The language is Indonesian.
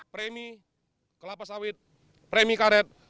premi kelapa sawit premi karet